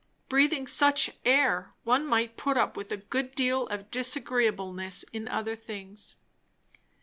Breathing such air, one might put up with a good deal of disagreeableness in other things.